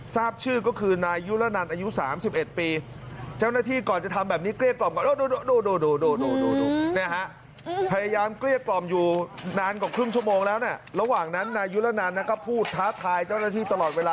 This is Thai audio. ทราบชื่อก็คือนายุละนันอายุ๓๑ปี